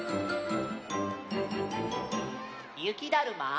ゆきだるま？